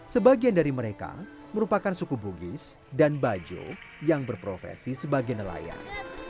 sebagian dari mereka merupakan suku bugis dan bajo yang berprofesi sebagai nelayan